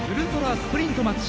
スプリントマッチ。